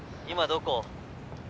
今どこ？